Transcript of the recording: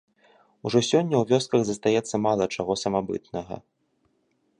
Ужо сёння ў вёсках застаецца мала чаго самабытнага.